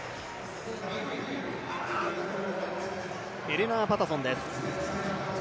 エレナー・パタソンです。